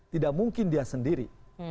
tidak mungkin dia sendiri